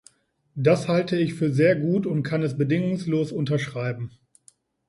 Das halte ich für sehr gut und kann es bedingungslos unterschreiben.